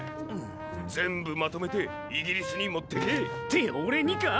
全部まとめてイギリスに持ってけ！ってオレにか！